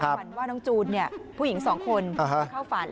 ฝันว่าน้องจูนผู้หญิงสองคนมาเข้าฝัน